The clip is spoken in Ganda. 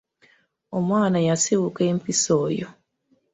Omwana yasiiwuuka empisa oyo.